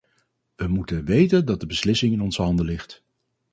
We moeten weten dat de beslissing in onze handen ligt.